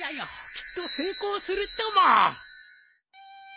きっと成功するとも。